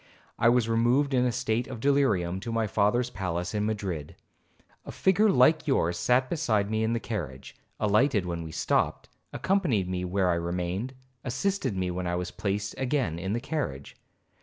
I was removed in a state of delirium to my father's palace in Madrid. A figure like yours sat beside me in the carriage, alighted when we stopped, accompanied me where I remained, assisted me when I was placed again in the carriage.